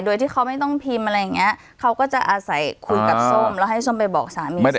โดยที่เขาไม่ต้องพิมพ์อะไรอย่างเงี้ยเขาก็จะอาศัยคุยกับส้มแล้วให้ส้มไปบอกสามี